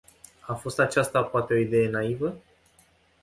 A fost aceasta poate o idee naivă?